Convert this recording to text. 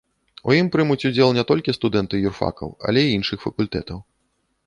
У ім прымуць удзел не толькі студэнты юрфакаў, але і іншых факультэтаў.